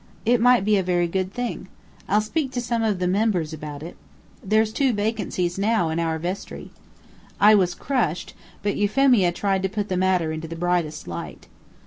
It might be a very good thing. I'll speak to some of the members about it. There's two vacancies now in our vestry." I was crushed; but Euphemia tried to put the matter into the brightest light.